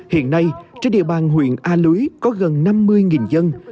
hiện nay trên địa bàn huyện a lưới có gần năm mươi dân